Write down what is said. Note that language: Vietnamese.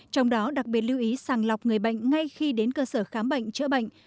trong đó đặc biệt lưu ý sàng lọc người bệnh ngay khi đến cơ sở khám bệnh chữa bệnh